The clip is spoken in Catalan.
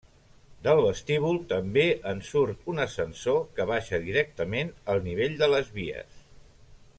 Del vestíbul també en surt un ascensor que baixa directament al nivell de les vies.